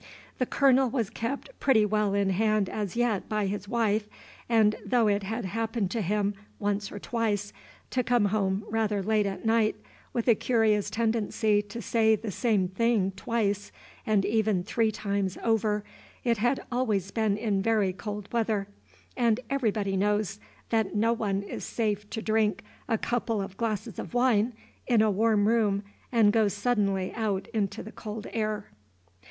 The Colonel was kept pretty well in hand as yet by his wife, and though it had happened to him once or twice to come home rather late at night with a curious tendency to say the same thing twice and even three times over, it had always been in very cold weather, and everybody knows that no one is safe to drink a couple of glasses of wine in a warm room and go suddenly out into the cold air.